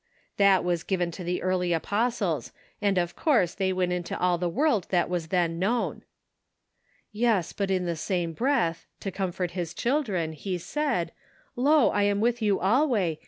That was given to the early apostles, and, of course, they went into all the world that was then known." "Yes, but in the same breath, to comfort his children, he said: 'Lo, I am with you 224 The Pocket Measure.